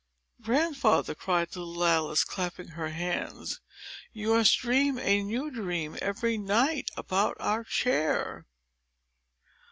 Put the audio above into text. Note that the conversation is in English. "Grandfather," cried little Alice, clapping her hands, "you must dream a new dream, every night, about our chair!"